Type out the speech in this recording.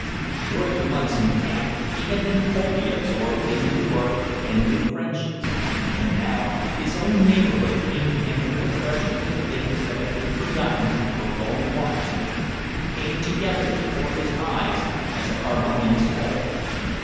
During the months in camp he had been wholly absorbed in new work and new friendships, and now his own neighbourhood came to him with the freshness of things that have been forgotten for a long while, came together before his eyes as a harmonious whole.